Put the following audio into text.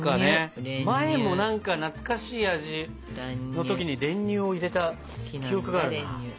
前も何か懐かしい味の時に練乳を入れた記憶があるな。